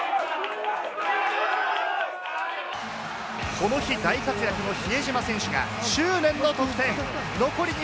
この日、大活躍の比江島選手が執念の得点！